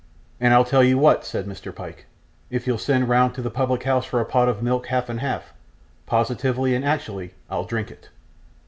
'And I'll tell you what,' said Mr. Pyke; 'if you'll send round to the public house for a pot of milk half and half, positively and actually I'll drink it.